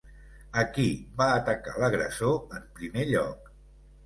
A qui va atacar l'agressor en primer lloc?